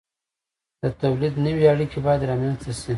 د تولید نوې اړیکې باید رامنځته شي.